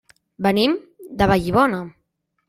Venim de Vallibona.